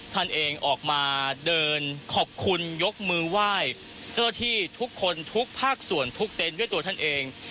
ท่านเองออกมาเดินขอบคุณยกมือไหว้เจ้าที่ทุกคนทุกภาคส่วนทุกเต็นต์ด้วยตัวท่านเอง